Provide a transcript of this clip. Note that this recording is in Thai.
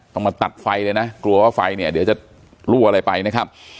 มาตัดไฟเลยนะกลัวว่าไฟเนี่ยเดี๋ยวจะรั่วอะไรไปนะครับ